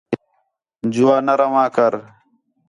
جُؤا نہ رَواں کر